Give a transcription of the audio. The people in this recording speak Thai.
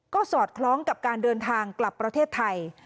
ก็สอดคล้องกับการเดินทางกลับประเทศไทย